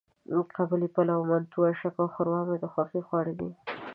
قابلي پلو، منتو، آشکې او ښوروا مې د خوښې خواړه دي.